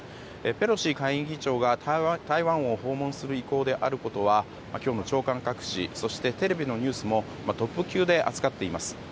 ペロシ下院議長が台湾を訪問する意向であることは今日も朝刊各紙そしてテレビのニュースもトップ級で扱っています。